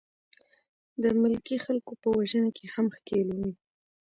د ملکي خلکو په وژنه کې هم ښکېل وې.